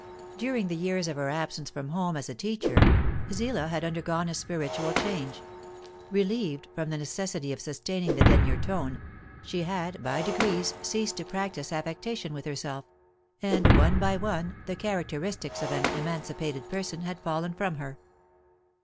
During the years of her absence from home as a teacher, Zillah had undergone a spiritual change; relieved from the necessity of sustaining the Denyer tone, she had by degrees ceased to practise affectation with herself, and one by one the characteristics of an "emancipated" person had fallen from her.